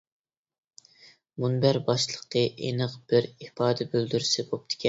مۇنبەر باشلىقى ئېنىق بىر ئىپادە بىلدۈرسە بوپتىكەن.